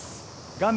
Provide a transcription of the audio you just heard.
画面